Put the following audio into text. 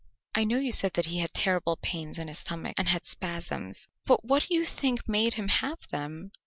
"I know you said that he had terrible pains in his stomach, and had spasms, but what do you think made him have them?"